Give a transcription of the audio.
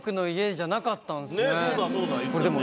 ねえそうだそうだ。